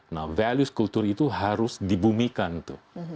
nah values kultur itu harus dibumikan tuh